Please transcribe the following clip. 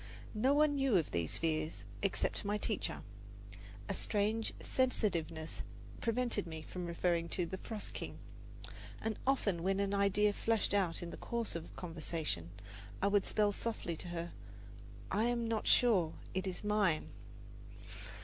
No one knew of these fears except my teacher. A strange sensitiveness prevented me from referring to the "Frost King"; and often when an idea flashed out in the course of conversation I would spell softly to her, "I am not sure it is mine."